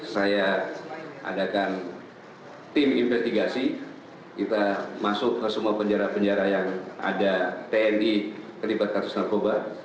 saya adakan tim investigasi kita masuk ke semua penjara penjara yang ada tni terlibat kasus narkoba